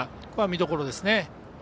これは見どころですね。